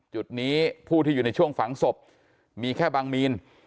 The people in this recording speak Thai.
จุดนี้ผู้ที่อยู่ในช่วงฝังศพมีแค่บางมีน